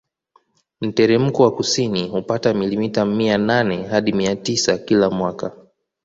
Mteremko wa kusini hupata milimita mia nane hadi mia tisa kila mwaka